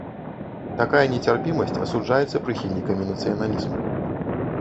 Такая нецярпімасць асуджаецца прыхільнікамі нацыяналізму.